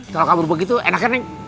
kalo kabur begitu enakan nih